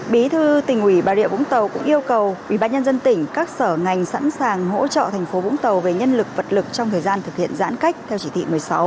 bí thư tỉnh ủy bà rịa vũng tàu cũng yêu cầu ubnd tỉnh các sở ngành sẵn sàng hỗ trợ thành phố vũng tàu về nhân lực vật lực trong thời gian thực hiện giãn cách theo chỉ thị một mươi sáu